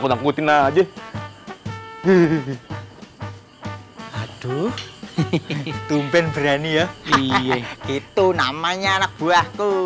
aduh hehehe tumpen berani ya iya itu namanya anak buahku